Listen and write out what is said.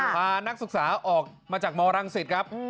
พานักศึกษาออกมาจากมรังสิตครับ